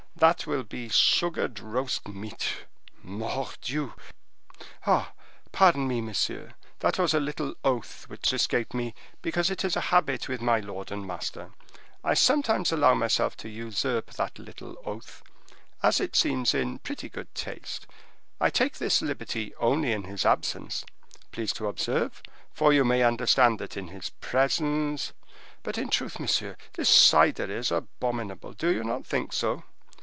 That will be sugared roast meat,—mordioux! Ah! pardon me, monsieur, that was a little oath which escaped me, because it is a habit with my lord and master. I sometimes allow myself to usurp that little oath, as it seems in pretty good taste. I take this liberty only in his absence, please to observe, for you may understand that in his presence—but, in truth, monsieur, this cider is abominable; do you not think so?